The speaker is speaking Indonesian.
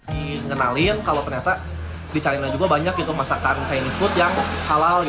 dikenalin kalau ternyata di china juga banyak masakan chinese food yang halal